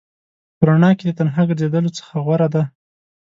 په رڼا کې د تنها ګرځېدلو څخه غوره ده.